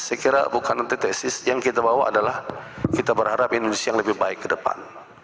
saya kira bukan antitesis yang kita bawa adalah kita berharap indonesia yang lebih baik ke depan